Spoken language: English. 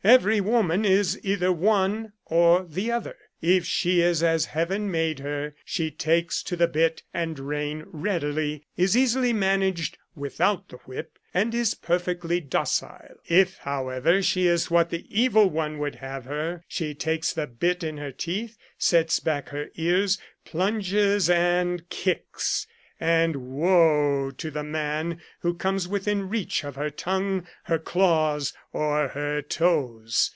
Every woman is either one or the other. If she is as heaven made her, she takes to the bit and rein readily, is easily managed without the whip, and is perfectly docile. If, however, she is what the evil one would have her, she takes the bit in her teeth, sets back her ears, plunges, and kicks ; and woe to the man who comes within reach of her tongue, her claws, or her toes.